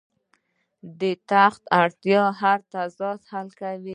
د تخت اړتیا هر تضاد حل کوي.